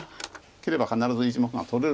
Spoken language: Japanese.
切れば必ず１目が取れるという。